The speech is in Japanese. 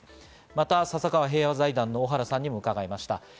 また笹川平和財団の小原さんにも伺いました。